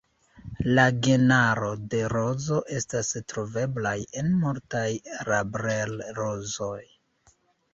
La genaro de rozo estas troveblaj en multaj Rambler-rozoj.